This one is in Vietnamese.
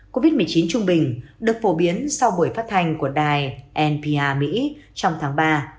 covid một mươi chín trung bình được phổ biến sau buổi phát hành của đài npa mỹ trong tháng ba